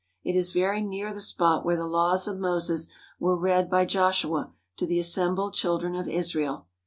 It is very near the spot where the laws of Moses were read by Joshua to the assembled Children of Israel.